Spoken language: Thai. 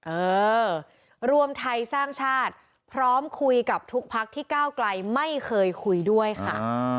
เออรวมไทยสร้างชาติพร้อมคุยกับทุกพักที่ก้าวไกลไม่เคยคุยด้วยค่ะ